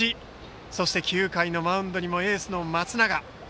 そして、９回のマウンドにもエースの松永。